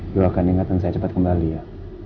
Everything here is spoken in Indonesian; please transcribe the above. doakan ingatan saya cepat kembali ya